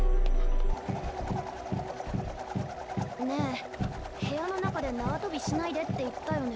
ねえ部屋の中で縄跳びしないでって言ったよね。